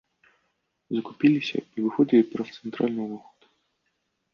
Закупіліся і выходзілі праз цэнтральны ўваход.